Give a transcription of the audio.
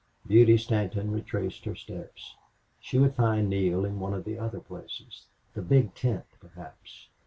Beauty Stanton retraced her steps. She would find Neale in one of the other places the Big Tent, perhaps.